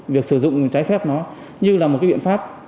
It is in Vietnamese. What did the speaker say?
việc sử dụng trái phép nó như là một cái biện pháp